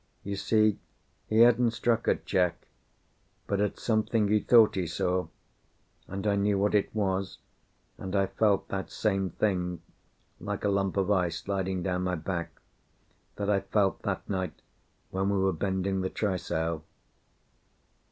You see, he hadn't struck at Jack, but at something he thought he saw, and I knew what it was, and I felt that same thing, like a lump of ice sliding down my back, that I felt that night when we were bending the trysail.